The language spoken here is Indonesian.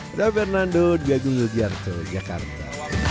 saya bernando di agung lugarto jakarta